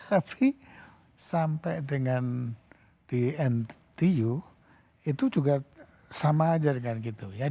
tapi sampai dengan di ntu itu juga sama aja dengan gitu ya